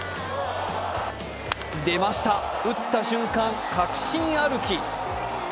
出ました、打った瞬間、確信歩き。